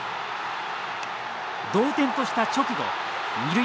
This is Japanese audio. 同点とした直後二塁